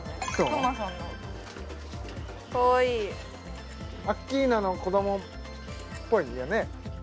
くまさんのかわいいアッキーナの子どもっぽいよね